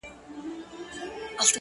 o سیاه پوسي ده، رنگونه نسته،